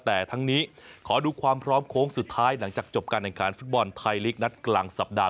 แต่ทั้งนี้ขอดูความพร้อมโค้งสุดท้ายหลังจากจบการแข่งขันฟุตบอลไทยลีกนัดกลางสัปดาห